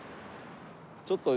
ちょっと。